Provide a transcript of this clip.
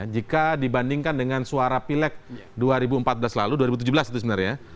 jika dibandingkan dengan suara pilek dua ribu empat belas lalu dua ribu tujuh belas itu sebenarnya